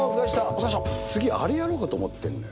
次、あれやろうかと思ってるんだよ。